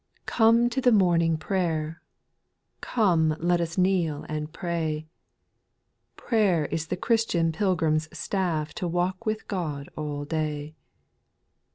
/^OME to the morning prayer, \j Come let us kneel and pray ; Prayer is the Christian pilgrim's staff To walk with God all day.